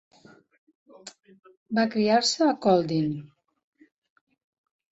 Va criar-se a Kolding.